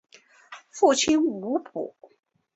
父亲吴甫。